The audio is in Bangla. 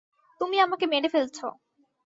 তুমি আমাকে মেরে ফেলছো।